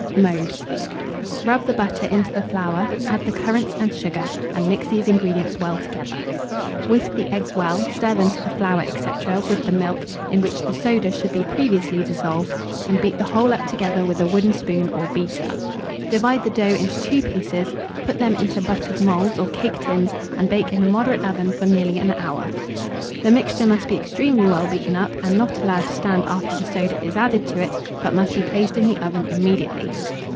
Mode. Rub the butter into the flour, add the currants and sugar, and mix these ingredients well together. Whisk the eggs well, stir them to the flour, &c., with the milk, in which the soda should be previously dissolved, and beat the whole up together with a wooden spoon or beater. Divide the dough into two pieces, put them into buttered moulds or cake tins, and bake in a moderate oven for nearly an hour. The mixture must be extremely well beaten up, and not allowed to stand after the soda is added to it, but must be placed in the oven immediately.